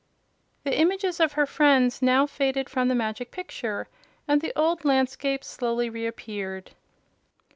The image of her friends now faded from the Magic Picture and the old landscape slowly reappeared.